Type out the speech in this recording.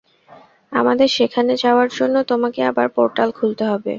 আমাদের সেখানে যাওয়ার জন্য তোমাকে আবার পোর্টাল খুলতে হবে।